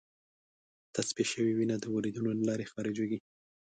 تصفیه شوې وینه د وریدونو له لارې خارجېږي.